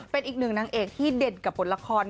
เป็นอีกหนึ่งนางเอกที่เด่นกับบทละคร